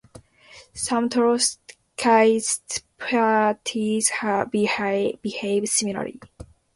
Some Trotskyist parties behave similarly.